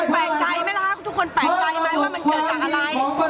แปลกใจมั้ยนะคะทุกคนแปลกใจมั้ยว่ามันเกิดจากอะไร